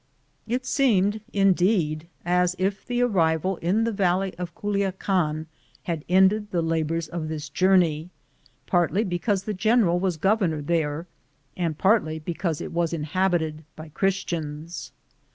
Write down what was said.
It seemed, indeed, as if the arrival in the valley of Culiacan had ended the labors of this journey, partly because the general was governor there and partly because it was in habited by Christians.